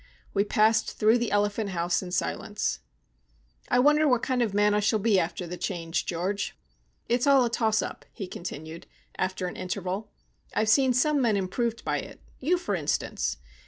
We passed through the elephant house in silence. "I wonder what kind of man I shall be after the change, George. It's all a toss up," he continued, after an interval. "I have seen some men improved by it. You, for instance.